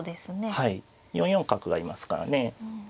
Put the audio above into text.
４四角がいますからね。